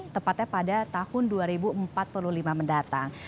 tepatnya pada tahun dua ribu empat puluh lima mendatang